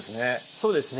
そうですね。